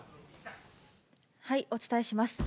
お伝えします。